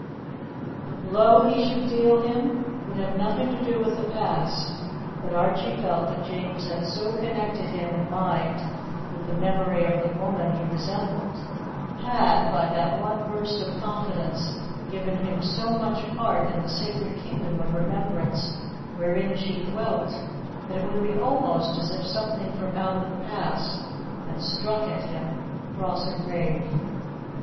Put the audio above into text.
The blow he should deal him would have nothing to do with the past, but Archie felt that James had so connected him in mind with the memory of the woman he resembled had, by that one burst of confidence, given him so much part in the sacred kingdom of remembrance wherein she dwelt that it would be almost as if something from out of the past had struck at him across her grave.